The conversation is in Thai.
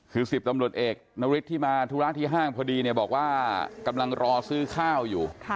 คือ๑๐ตำรวจเอกนฤทธิที่มาธุระที่ห้างพอดีเนี่ยบอกว่ากำลังรอซื้อข้าวอยู่